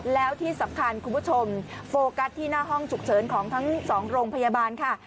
แล้วที่สำคัญคุณผู้ชมโฟกัสที่หน้าห้องฉุกเฉินของทั้งสองโรงพยาบาลค่ะ